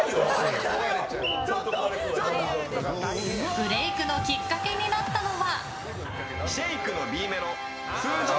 ブレークのきっかけになったのは。